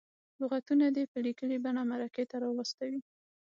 لغتونه دې په لیکلې بڼه مرکې ته راواستوي.